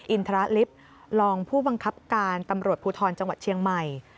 อินทรลิฟต์รองผู้บังคับการตำรวจภูทรจังหวัดเชียงใหม่